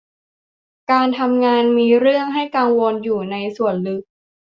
การทำงานมีเรื่องให้กังวลอยู่ในส่วนลึก